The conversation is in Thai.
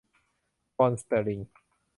ปอนด์สเตอร์ลิง